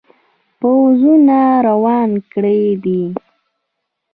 پوځونه روان کړي دي.